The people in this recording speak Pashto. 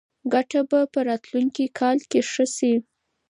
ګټه به په راتلونکي کال کې ښه شي.